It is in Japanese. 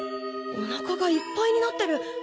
おなかがいっぱいになってる！